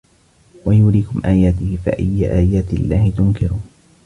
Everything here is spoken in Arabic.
وَيُريكُم آياتِهِ فَأَيَّ آياتِ اللَّهِ تُنكِرونَ